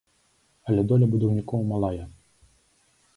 Але доля будаўнікоў малая.